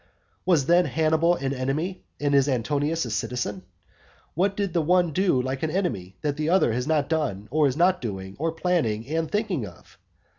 Was then Hannibal an enemy, and is Antonius a citizen? What did the one do like an enemy, that the other has not done, or is not doing, or planning, and thinking of?